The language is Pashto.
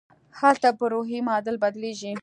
هلته پر روحي معادل بدلېږي.